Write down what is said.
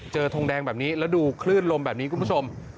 ทงแดงแบบนี้แล้วดูคลื่นลมแบบนี้คุณผู้ชม